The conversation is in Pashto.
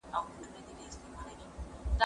هغو چي ول دوی راغلي ول .